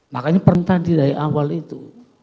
makanya perintah dari awal itu